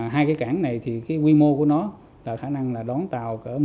hai cảng này quy mô của nó là khả năng đón tàu